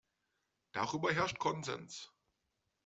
Darüber herrscht Konsens.